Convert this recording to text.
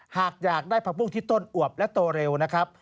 หากอยากได้ผักบุ้งที่ต้นอวบและโตเร็วนะครับ